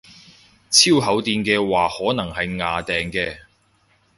超厚墊嘅話可能係掗掟嘅